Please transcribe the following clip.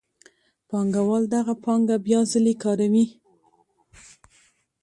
پانګوال دغه پانګه بیا ځلي کاروي